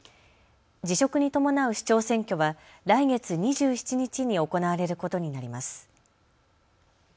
辞職に伴う市長選挙は来月２７日に行われることになります。